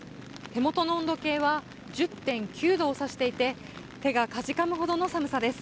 手元の温度計は１０．９度をさしていて手がかじかむほどの寒さです。